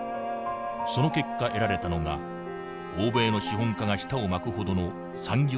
その結果得られたのが欧米の資本家が舌を巻くほどの産業の効率性である。